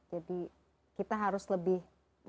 jadi kita harus lebih